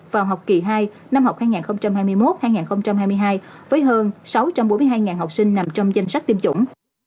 vào học kỳ hai năm học hai nghìn hai mươi một hai nghìn hai mươi hai với hơn sáu trăm bốn mươi hai học sinh nằm trong danh sách tiêm chủng